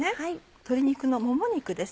鶏肉のもも肉です。